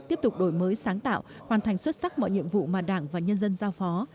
tiếp tục đổi mới sáng tạo hoàn thành xuất sắc mọi nhiệm vụ mà đảng và nhân dân giao phó